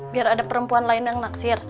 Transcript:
biar ada perempuan lain yang naksir